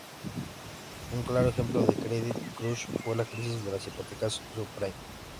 Un claro ejemplo de "credit crunch" fue la crisis de las hipotecas subprime.